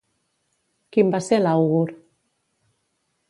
Quin va ser l'àugur?